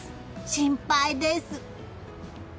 心配です。